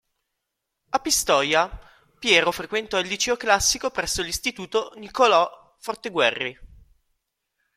A Pistoia, Piero frequentò il Liceo Classico presso l'Istituto "Niccolò Forteguerri".